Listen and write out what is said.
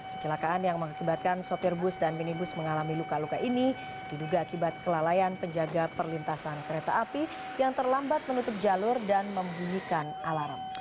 kecelakaan yang mengakibatkan sopir bus dan minibus mengalami luka luka ini diduga akibat kelalaian penjaga perlintasan kereta api yang terlambat menutup jalur dan membunyikan alarm